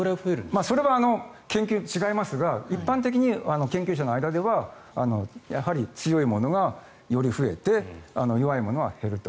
それは研究によって違いますが一般的に研究者の間では強いものが、より増えて弱いものは減ると。